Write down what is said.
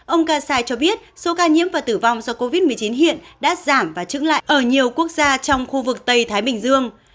ông kasai cho biết số ca nhiễm và tử vong do covid một mươi chín hiện đã giảm và trứng lại ở nhiều quốc gia trong khu vực tây thái bình dương